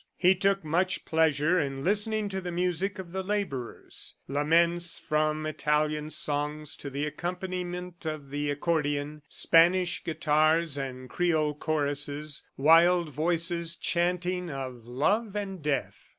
He took much pleasure in listening to the music of the laborers laments from Italian songs to the accompaniment of the accordion, Spanish guitars and Creole choruses, wild voices chanting of love and death.